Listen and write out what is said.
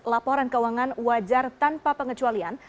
laporan keuangan wajar tanpa pengecualian